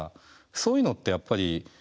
そういうのってやっぱりみつなさん